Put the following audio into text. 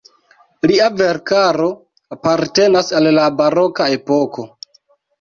Lia verkaro apartenas al la baroka epoko.